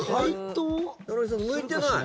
向いてない。